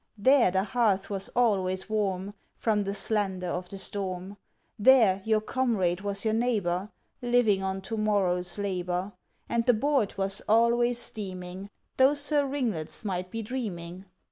There the hearth was always warm, From the slander of the storm. There your comrade was your neighbor, Living on to morrow's labor. And the board was always steaming, Though Sir Ringlets might be dreaming.